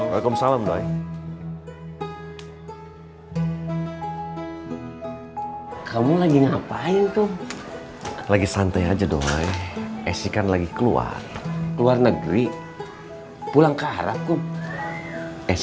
waalaikumsalam doi kamu lagi ngapain tuh